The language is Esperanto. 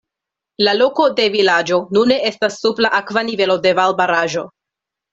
La loko de vilaĝo nune estas sub la akva nivelo de valbaraĵo.